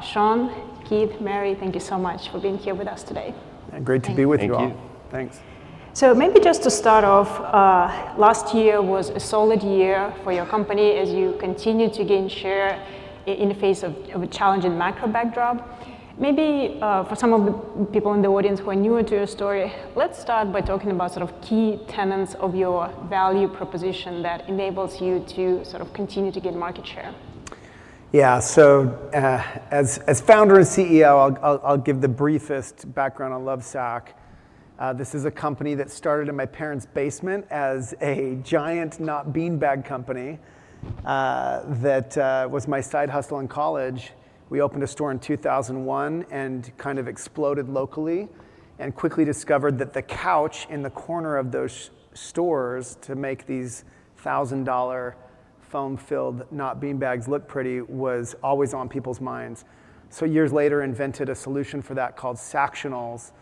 Shawn, Keith, Mary, thank you so much for being here with us today. Great to be with you all. Thank you. Thanks. So maybe just to start off, last year was a solid year for your company as you continue to gain share in the face of a challenging macro backdrop. Maybe for some of the people in the audience who are newer to your story, let's start by talking about sort of key tenets of your value proposition that enables you to sort of continue to gain market share. Yeah, so as founder and CEO, I'll give the briefest background on Lovesac. This is a company that started in my parents' basement as a giant not-beanbag company that was my side hustle in college. We opened a store in 2001 and kind of exploded locally and quickly discovered that the couch in the corner of those stores to make these $1,000 foam-filled not-beanbags look pretty was always on people's minds. So years later, we invented a solution for that called Sactionals,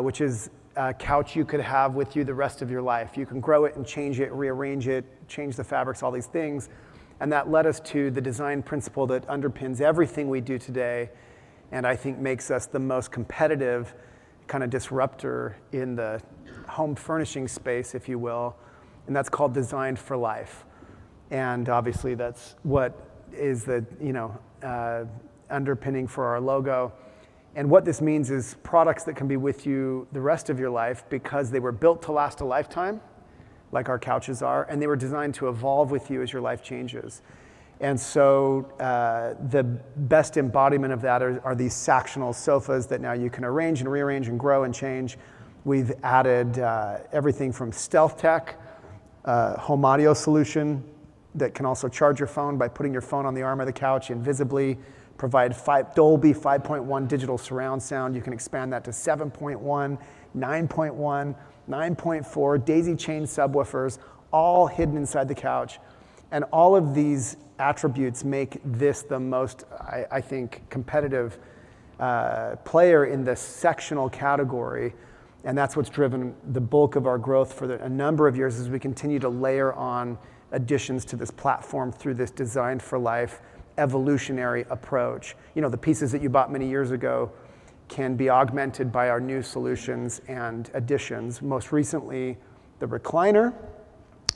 which is a couch you could have with you the rest of your life. You can grow it and change it, rearrange it, change the fabrics, all these things, and that led us to the design principle that underpins everything we do today and I think makes us the most competitive kind of disruptor in the home furnishing space, if you will. And that's called Designed for Life. And obviously, that's what is the underpinning for our logo. And what this means is products that can be with you the rest of your life because they were built to last a lifetime, like our couches are, and they were designed to evolve with you as your life changes. And so the best embodiment of that are these Sactionals sofas that now you can arrange and rearrange and grow and change. We've added everything from StealthTech, a home audio solution that can also charge your phone by putting your phone on the arm of the couch and visibly provide Dolby 5.1 digital surround sound. You can expand that to 7.1, 9.1, 9.4, daisy chain subwoofers, all hidden inside the couch. And all of these attributes make this the most, I think, competitive player in the sectionals category. That's what's driven the bulk of our growth for a number of years as we continue to layer on additions to this platform through this Designed for Life evolutionary approach. You know, the pieces that you bought many years ago can be augmented by our new solutions and additions. Most recently, the Recliner,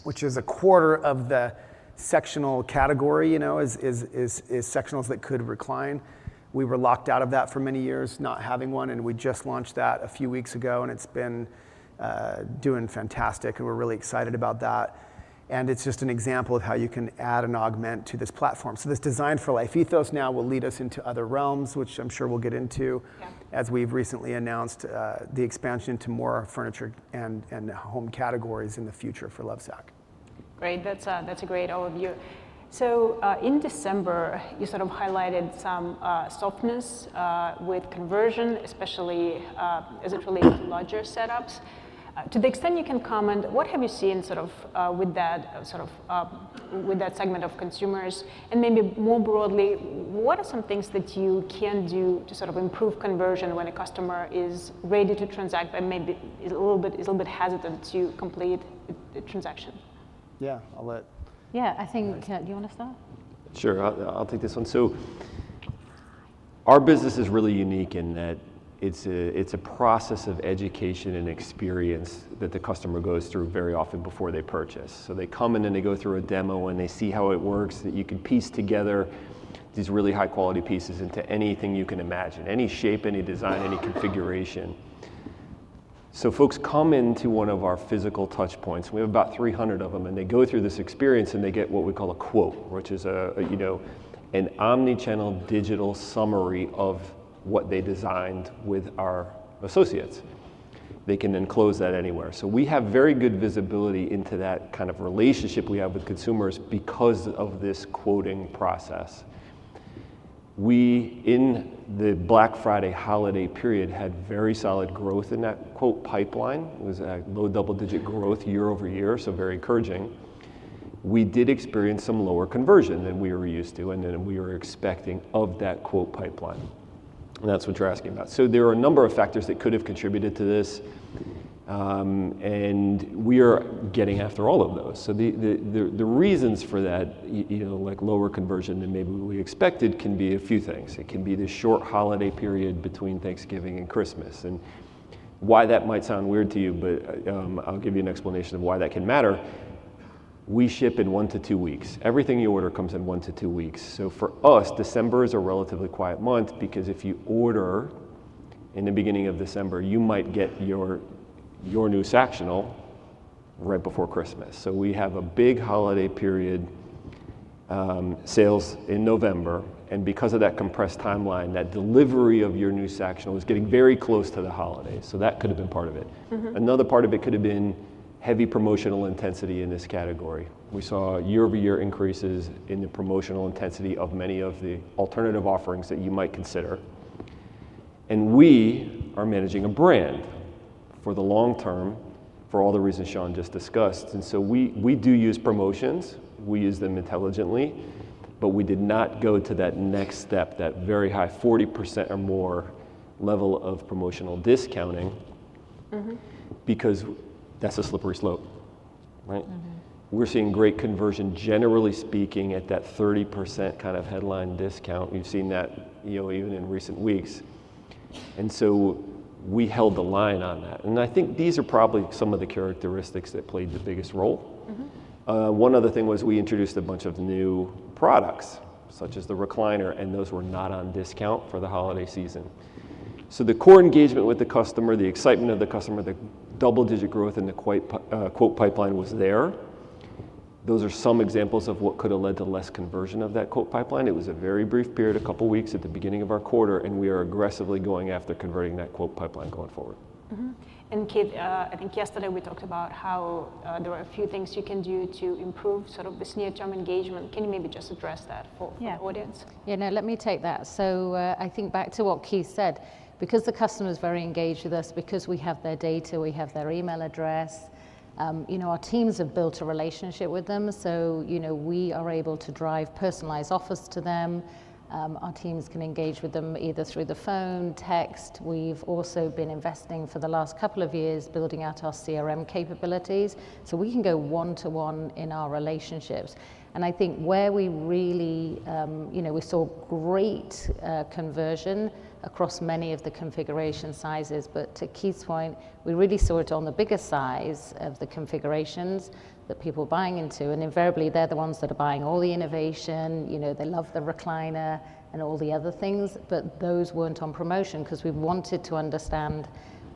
which is a quarter of the sectionals category, you know, is Sactionals that could recline. We were locked out of that for many years, not having one, and we just launched that a few weeks ago, and it's been doing fantastic, and we're really excited about that. It's just an example of how you can add and augment to this platform. So this Designed for Life ethos now will lead us into other realms, which I'm sure we'll get into, as we've recently announced the expansion to more furniture and home categories in the future for Lovesac. Great. That's a great overview. So in December, you sort of highlighted some softness with conversion, especially as it relates to larger setups. To the extent you can comment, what have you seen sort of with that segment of consumers? And maybe more broadly, what are some things that you can do to sort of improve conversion when a customer is ready to transact but maybe is a little bit hesitant to complete the transaction? Yeah, I'll let. Yeah, I think, do you want to start? Sure, I'll take this one. Our business is really unique in that it's a process of education and experience that the customer goes through very often before they purchase. They come in and they go through a demo and they see how it works, that you can piece together these really high-quality pieces into anything you can imagine, any shape, any design, any configuration. Folks come into one of our physical touchpoints. We have about 300 of them, and they go through this experience and they get what we call a quote, which is an omnichannel digital summary of what they designed with our associates. They can access that anywhere. We have very good visibility into that kind of relationship we have with consumers because of this quoting process. We, in the Black Friday holiday period, had very solid growth in that quote pipeline. It was a low double-digit growth year over year, so very encouraging. We did experience some lower conversion than we were used to and than we were expecting of that quote pipeline, and that's what you're asking about. So there are a number of factors that could have contributed to this, and we are getting after all of those, so the reasons for that, like lower conversion than maybe we expected, can be a few things. It can be the short holiday period between Thanksgiving and Christmas, and why that might sound weird to you, but I'll give you an explanation of why that can matter. We ship in one to two weeks. Everything you order comes in one to two weeks, so for us, December is a relatively quiet month because if you order in the beginning of December, you might get your new Sactional right before Christmas. So we have a big holiday period sales in November. And because of that compressed timeline, that delivery of your new Sactional is getting very close to the holiday. So that could have been part of it. Another part of it could have been heavy promotional intensity in this category. We saw year-over-year increases in the promotional intensity of many of the alternative offerings that you might consider. And we are managing a brand for the long term for all the reasons Shawn just discussed. And so we do use promotions. We use them intelligently, but we did not go to that next step, that very high 40% or more level of promotional discounting because that's a slippery slope. We're seeing great conversion, generally speaking, at that 30% kind of headline discount. We've seen that even in recent weeks. And so we held the line on that. And I think these are probably some of the characteristics that played the biggest role. One other thing was we introduced a bunch of new products, such as the Recliner, and those were not on discount for the holiday season. So the core engagement with the customer, the excitement of the customer, the double-digit growth in the quote pipeline was there. Those are some examples of what could have led to less conversion of that quote pipeline. It was a very brief period, a couple of weeks at the beginning of our quarter, and we are aggressively going after converting that quote pipeline going forward. And Keith, I think yesterday we talked about how there are a few things you can do to improve sort of this near-term engagement. Can you maybe just address that for our audience? Yeah, now let me take that. So I think back to what Keith said, because the customer is very engaged with us, because we have their data, we have their email address, our teams have built a relationship with them. So we are able to drive personalized offers to them. Our teams can engage with them either through the phone, text. We've also been investing for the last couple of years building out our CRM capabilities. So we can go one-to-one in our relationships. And I think where we really saw great conversion across many of the configuration sizes, but to Keith's point, we really saw it on the bigger size of the configurations that people are buying into. And invariably, they're the ones that are buying all the innovation. They love the Recliner and all the other things, but those weren't on promotion because we wanted to understand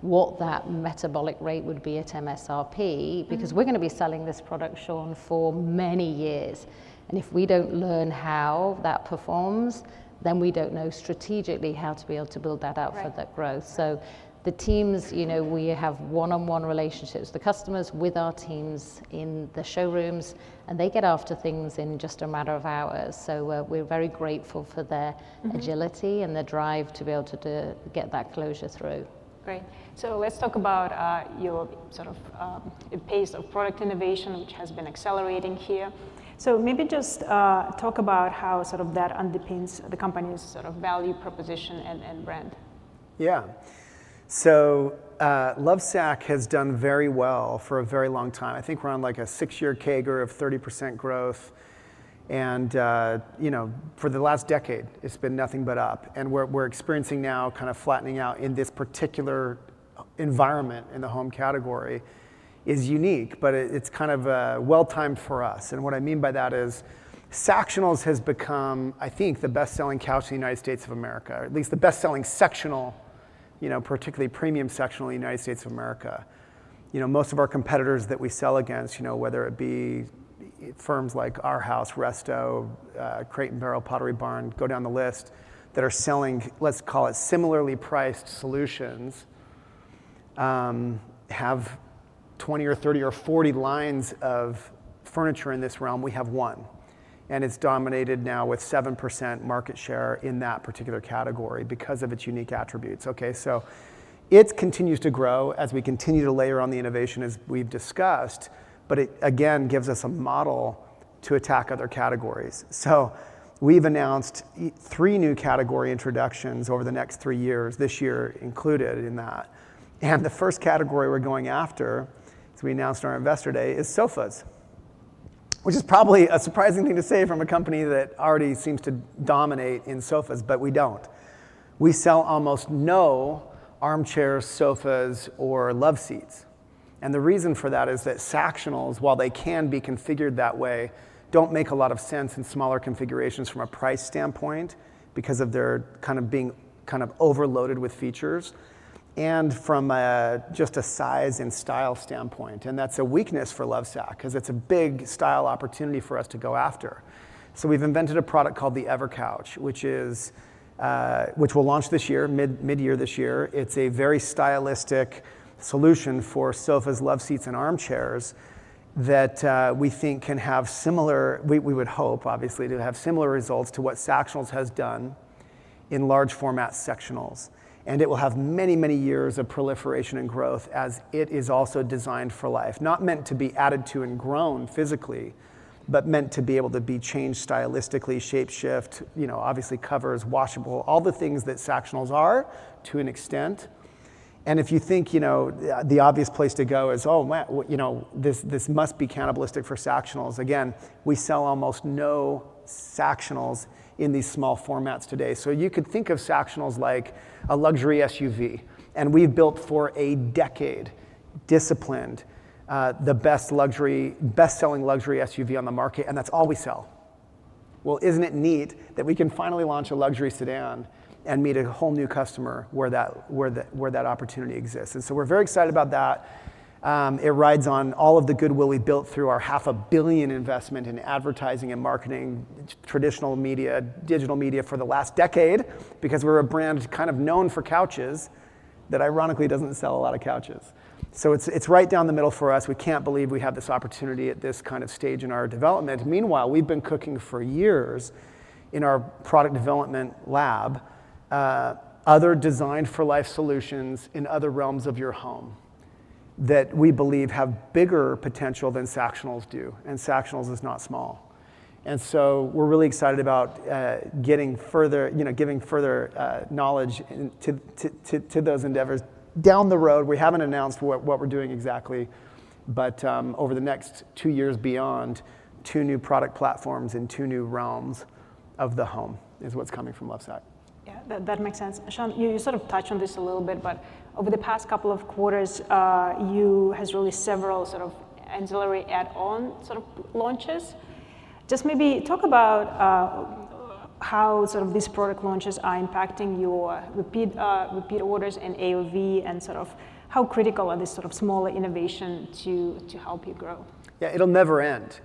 what that sell-through rate would be at MSRP because we're going to be selling this product, Shawn, for many years, and if we don't learn how that performs, then we don't know strategically how to be able to build that out for that growth. So the teams we have one-on-one relationships, the customers with our teams in the showrooms, and they get after things in just a matter of hours, so we're very grateful for their agility and their drive to be able to get that closure through. Great. So let's talk about your sort of pace of product innovation, which has been accelerating here. So maybe just talk about how sort of that underpins the company's sort of value proposition and brand. Yeah, so Lovesac has done very well for a very long time. I think we're on like a six-year CAGR of 30% growth, and for the last decade, it's been nothing but up, and what we're experiencing now, kind of flattening out in this particular environment in the home category, is unique, but it's kind of well-timed for us, and what I mean by that is Sactionals has become, I think, the best-selling couch in the United States of America, or at least the best-selling Sactional, particularly premium Sactional in the United States of America. Most of our competitors that we sell against, whether it be firms like Arhaus, Resto, Crate & Barrel, Pottery Barn, go down the list, that are selling, let's call it similarly priced solutions, have 20, 30, or 40 lines of furniture in this realm; we have one. And it's dominated now with 7% market share in that particular category because of its unique attributes. So it continues to grow as we continue to layer on the innovation as we've discussed, but it, again, gives us a model to attack other categories. So we've announced three new category introductions over the next three years, this year included in that. And the first category we're going after, as we announced on our Investor Day, is sofas, which is probably a surprising thing to say from a company that already seems to dominate in sofas, but we don't. We sell almost no armchairs, sofas, or loveseats. The reason for that is that Sactionals, while they can be configured that way, don't make a lot of sense in smaller configurations from a price standpoint because of their kind of being kind of overloaded with features and from just a size and style standpoint. That's a weakness for Lovesac because it's a big style opportunity for us to go after. We've invented a product called the EverCouch, which will launch this year, mid-year this year. It's a very stylistic solution for sofas, loveseats, and armchairs that we think can have similar, we would hope, obviously, to have similar results to what Sactionals has done in large-format Sactionals. And it will have many, many years of proliferation and growth as it is also designed for life, not meant to be added to and grown physically, but meant to be able to be changed stylistically, shapeshift, obviously covers, washable, all the things that Sactionals are to an extent. And if you think the obvious place to go is, oh, this must be cannibalistic for Sactionals, again, we sell almost no Sactionals in these small formats today. So you could think of Sactionals like a luxury SUV. And we've built for a decade, disciplined, the best-selling luxury SUV on the market, and that's all we sell. Well, isn't it neat that we can finally launch a luxury sedan and meet a whole new customer where that opportunity exists? And so we're very excited about that. It rides on all of the goodwill we built through our $500 million investment in advertising and marketing, traditional media, digital media for the last decade because we're a brand kind of known for couches that ironically doesn't sell a lot of couches, so it's right down the middle for us. We can't believe we have this opportunity at this kind of stage in our development. Meanwhile, we've been cooking for years in our product development lab other designed-for-life solutions in other realms of your home that we believe have bigger potential than Sactionals do, and Sactionals is not small, and so we're really excited about giving further knowledge to those endeavors. Down the road, we haven't announced what we're doing exactly, but over the next two years beyond, two new product platforms in two new realms of the home is what's coming from Lovesac. Yeah, that makes sense. Shawn, you sort of touched on this a little bit, but over the past couple of quarters, you had really several sort of ancillary add-on sort of launches. Just maybe talk about how sort of these product launches are impacting your repeat orders and AOV and sort of how critical are these sort of smaller innovations to help you grow? Yeah, it'll never end.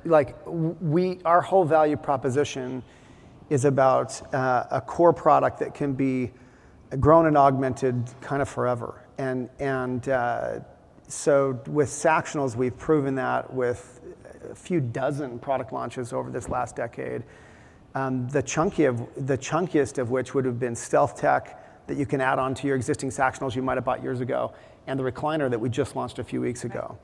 Our whole value proposition is about a core product that can be grown and augmented kind of forever. And so with Sactionals, we've proven that with a few dozen product launches over this last decade, the chunkiest of which would have been StealthTech that you can add onto your existing Sactionals you might have bought years ago and the Recliner that we just launched a few weeks ago.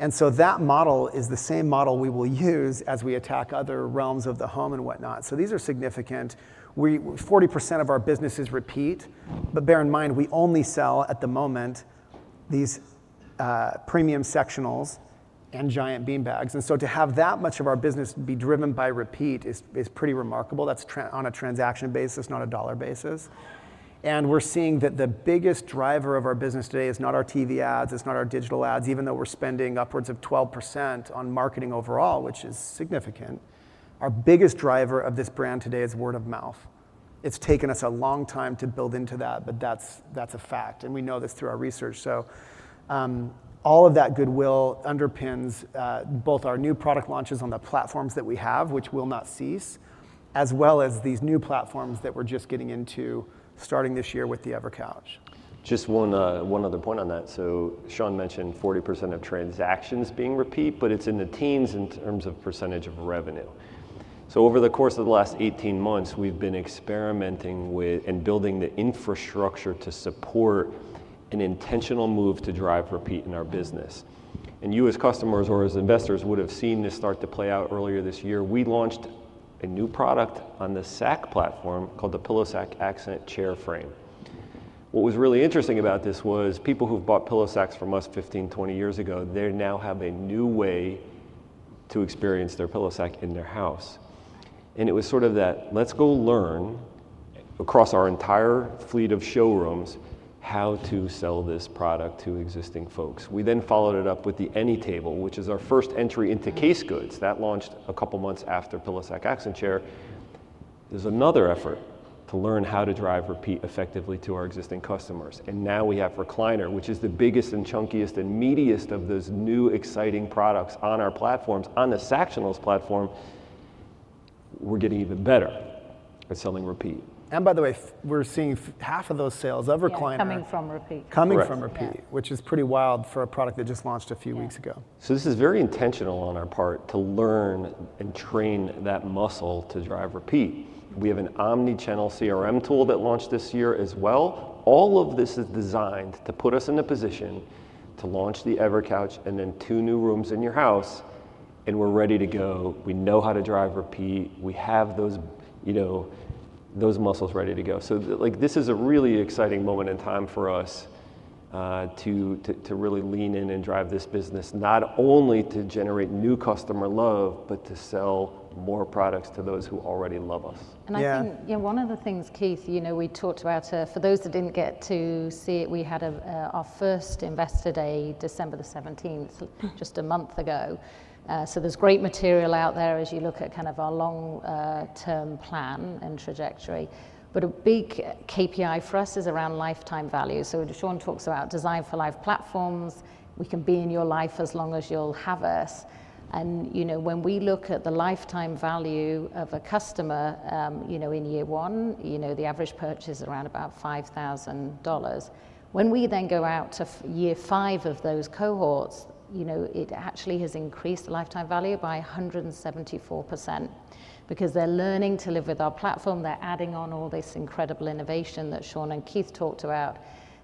And so that model is the same model we will use as we attack other realms of the home and whatnot. So these are significant. 40% of our business is repeat, but bear in mind, we only sell at the moment these premium Sactionals and giant beanbags. And so to have that much of our business be driven by repeat is pretty remarkable. That's on a transaction basis, not a dollar basis. We're seeing that the biggest driver of our business today is not our TV ads, it's not our digital ads, even though we're spending upwards of 12% on marketing overall, which is significant. Our biggest driver of this brand today is word of mouth. It's taken us a long time to build into that, but that's a fact. We know this through our research. All of that goodwill underpins both our new product launches on the platforms that we have, which will not cease, as well as these new platforms that we're just getting into starting this year with the EverCouch. Just one other point on that. So Shawn mentioned 40% of transactions being repeat, but it's in the teens in terms of percentage of revenue. So over the course of the last 18 months, we've been experimenting with and building the infrastructure to support an intentional move to drive repeat in our business. And you as customers or as investors would have seen this start to play out earlier this year. We launched a new product on the Sacs platform called the PillowSac Accent Chair Frame. What was really interesting about this was people who've bought PillowSacs from us 15, 20 years ago. They now have a new way to experience their PillowSac in their house. And it was sort of that, let's go learn across our entire fleet of showrooms how to sell this product to existing folks. We then followed it up with the AnyTable, which is our first entry into case goods. That launched a couple of months after PillowSac Accent Chair. There's another effort to learn how to drive repeat effectively to our existing customers. And now we have Recliner, which is the biggest and chunkiest and meatiest of those new exciting products on our platforms. On the Sactionals platform, we're getting even better at selling repeat. By the way, we're seeing 50% of those sales of Recliner. Coming from repeat. Coming from repeat, which is pretty wild for a product that just launched a few weeks ago. So this is very intentional on our part to learn and train that muscle to drive repeat. We have an omnichannel CRM tool that launched this year as well. All of this is designed to put us in a position to launch the EverCouch and then two new rooms in your house, and we're ready to go. We know how to drive repeat. We have those muscles ready to go. So this is a really exciting moment in time for us to really lean in and drive this business, not only to generate new customer love, but to sell more products to those who already love us. I think one of the things, Keith, we talked about for those that didn't get to see it, we had our first Investor Day December the 17th, just a month ago. There's great material out there as you look at kind of our long-term plan and trajectory. A big KPI for us is around lifetime value. Shawn talks about Designed for Life platforms. We can be in your life as long as you'll have us. When we look at the lifetime value of a customer in year one, the average purchase is around about $5,000. When we then go out to year five of those cohorts, it actually has increased the lifetime value by 174% because they're learning to live with our platform. They're adding on all this incredible innovation that Shawn and Keith talked about.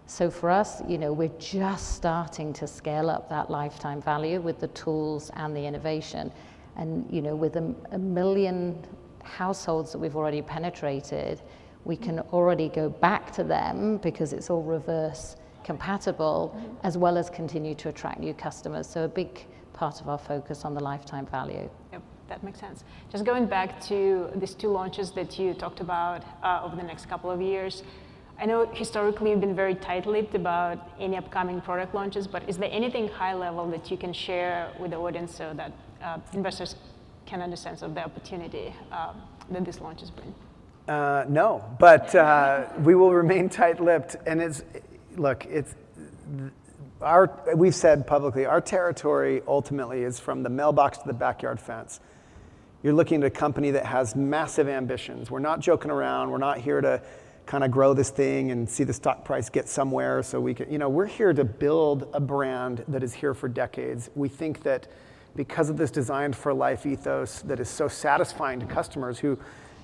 So for us, we're just starting to scale up that lifetime value with the tools and the innovation. And with a million households that we've already penetrated, we can already go back to them because it's all reverse compatible, as well as continue to attract new customers. So a big part of our focus on the lifetime value. Yep. That makes sense. Just going back to these two launches that you talked about over the next couple of years, I know historically you've been very tight-lipped about any upcoming product launches, but is there anything high level that you can share with the audience so that investors can understand the opportunity that these launches bring? No, but we will remain tight-lipped, and look, we've said publicly, our territory ultimately is from the mailbox to the backyard fence. You're looking at a company that has massive ambitions. We're not joking around. We're not here to kind of grow this thing and see the stock price get somewhere. We're here to build a brand that is here for decades. We think that because of this Designed for Life ethos that is so satisfying to customers who,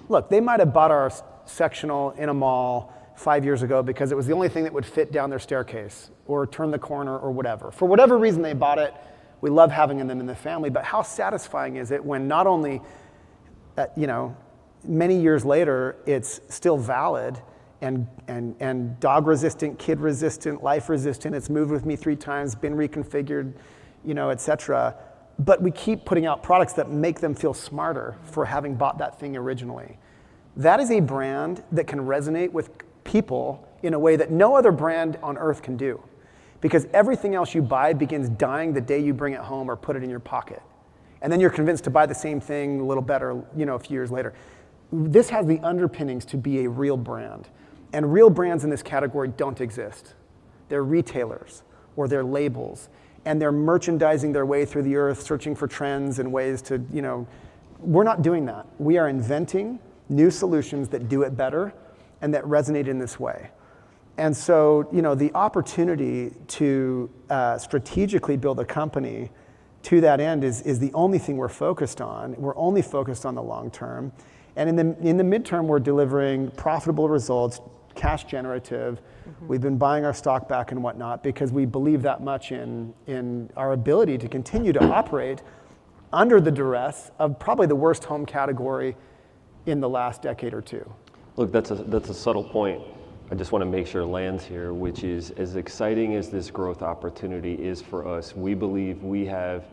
look, they might have bought our Sactionals in a mall five years ago because it was the only thing that would fit down their staircase or turn the corner or whatever. For whatever reason they bought it, we love having them in the family. But how satisfying is it when not only many years later, it's still valid and dog-resistant, kid-resistant, life-resistant, it's moved with me three times, been reconfigured, et cetera, but we keep putting out products that make them feel smarter for having bought that thing originally? That is a brand that can resonate with people in a way that no other brand on earth can do because everything else you buy begins dying the day you bring it home or put it in your pocket. And then you're convinced to buy the same thing a little better a few years later. This has the underpinnings to be a real brand. And real brands in this category don't exist. They're retailers or they're labels. And they're merchandising their way through the earth, searching for trends and ways to. We're not doing that. We are inventing new solutions that do it better and that resonate in this way, and so the opportunity to strategically build a company to that end is the only thing we're focused on. We're only focused on the long term, and in the midterm, we're delivering profitable results, cash-generative. We've been buying our stock back and whatnot because we believe that much in our ability to continue to operate under the duress of probably the worst home category in the last decade or two. Look, that's a subtle point. I just want to make sure it lands here, which is, as exciting as this growth opportunity is for us, we believe we have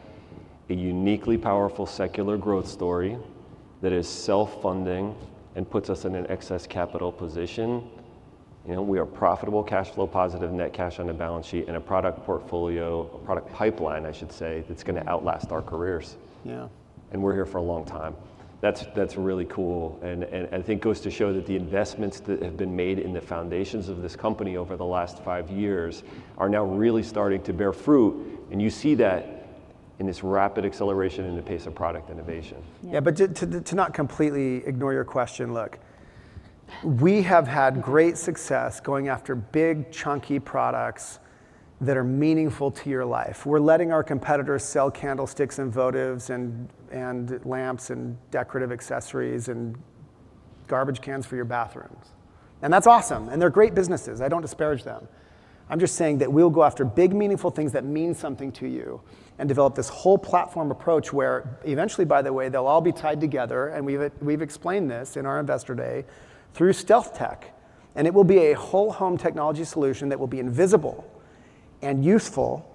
a uniquely powerful secular growth story that is self-funding and puts us in an excess capital position. We are profitable, cash flow positive, net cash on the balance sheet, and a product portfolio, a product pipeline, I should say, that's going to outlast our careers. Yeah, and we're here for a long time. That's really cool. I think it goes to show that the investments that have been made in the foundations of this company over the last five years are now really starting to bear fruit. You see that in this rapid acceleration and the pace of product innovation. Yeah, but to not completely ignore your question, look, we have had great success going after big, chunky products that are meaningful to your life. We're letting our competitors sell candlesticks and votives and lamps and decorative accessories and garbage cans for your bathrooms. And that's awesome. And they're great businesses. I don't disparage them. I'm just saying that we'll go after big, meaningful things that mean something to you and develop this whole platform approach where eventually, by the way, they'll all be tied together. And we've explained this in our Investor Day through StealthTech. And it will be a whole home technology solution that will be invisible and useful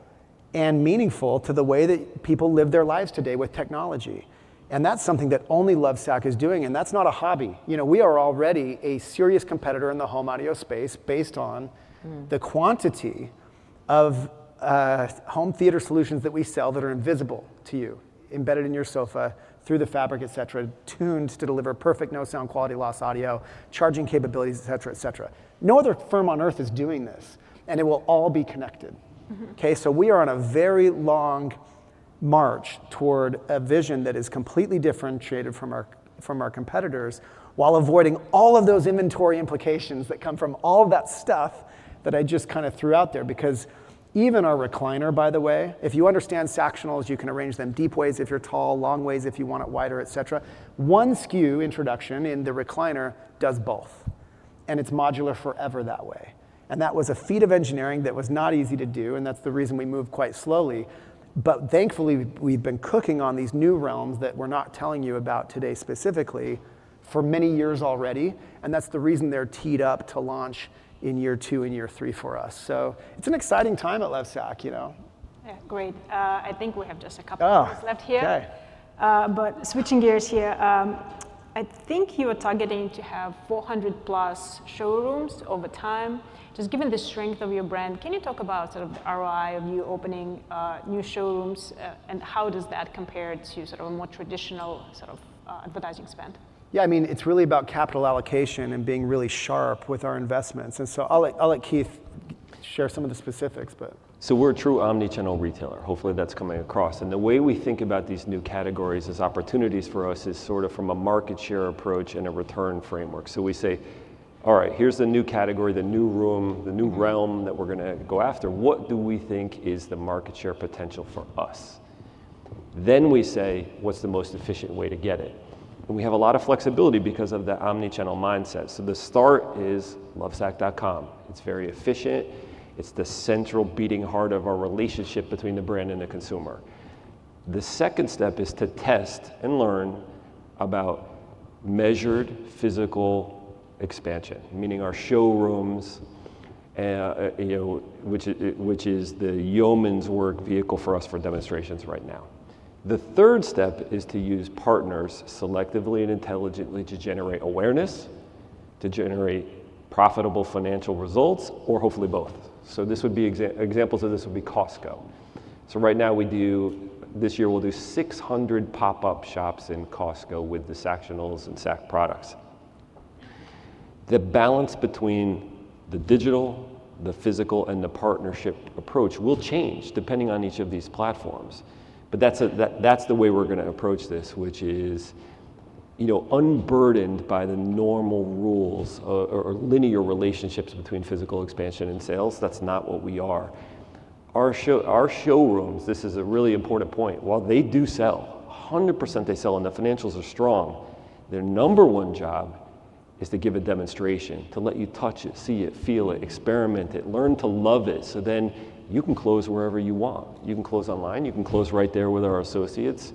and meaningful to the way that people live their lives today with technology. And that's something that only Lovesac is doing. And that's not a hobby. We are already a serious competitor in the home audio space based on the quantity of home theater solutions that we sell that are invisible to you, embedded in your sofa through the fabric, et cetera, et cetera. No other firm on earth is doing this. And it will all be connected. Okay? So we are on a very long march toward a vision that is completely differentiated from our competitors while avoiding all of those inventory implications that come from all of that stuff that I just kind of threw out there because even our Recliner, by the way, if you understand Sactionals, you can arrange them deep ways if you're tall, long ways if you want it wider, et cetera. One SKU introduction in the Recliner does both. And it's modular forever that way. And that was a feat of engineering that was not easy to do. And that's the reason we moved quite slowly. But thankfully, we've been cooking on these new realms that we're not telling you about today specifically for many years already. And that's the reason they're teed up to launch in year two and year three for us. So it's an exciting time at Lovesac. Great. I think we have just a couple of minutes left here. But switching gears here, I think you were targeting to have 400-plus showrooms over time. Just given the strength of your brand, can you talk about sort of the ROI of you opening new showrooms and how does that compare to sort of a more traditional sort of advertising spend? Yeah, I mean, it's really about capital allocation and being really sharp with our investments. And so I'll let Keith share some of the specifics, but. We're a true omnichannel retailer. Hopefully, that's coming across. The way we think about these new categories as opportunities for us is sort of from a market share approach and a return framework. We say, all right, here's the new category, the new room, the new realm that we're going to go after. What do we think is the market share potential for us? Then we say, what's the most efficient way to get it? We have a lot of flexibility because of the omnichannel mindset. The start is Lovesac.com. It's very efficient. It's the central beating heart of our relationship between the brand and the consumer. The second step is to test and learn about measured physical expansion, meaning our showrooms, which is the workhorse vehicle for us for demonstrations right now. The third step is to use partners selectively and intelligently to generate awareness, to generate profitable financial results, or hopefully both. So this would be examples of this would be Costco. So right now, this year, we'll do 600 pop-up shops in Costco with the Sactionals and Sacs products. The balance between the digital, the physical, and the partnership approach will change depending on each of these platforms. But that's the way we're going to approach this, which is unburdened by the normal rules or linear relationships between physical expansion and sales. That's not what we are. Our showrooms, this is a really important point. While they do sell, 100% they sell, and the financials are strong, their number one job is to give a demonstration, to let you touch it, see it, feel it, experience it, learn to love it so then you can close wherever you want. You can close online. You can close right there with our associates.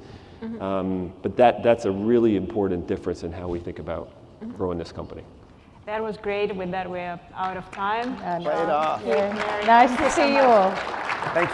But that's a really important difference in how we think about growing this company. That was great. With that, we're out of time. Right off. Very nice to see you all. Thank you.